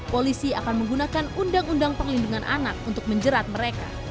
polisi akan menggunakan undang undang perlindungan anak untuk menjerat mereka